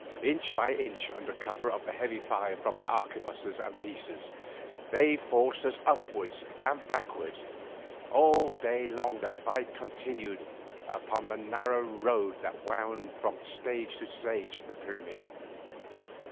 Inch by inch under cover of the heavy fire from their arquebusses and pieces, they forced us upward and backward. All day long the fight continued upon the narrow road that wound from stage to stage of the pyramid.